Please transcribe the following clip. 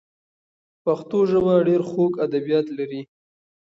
پښتو ژبه ډېر خوږ ادبیات لري.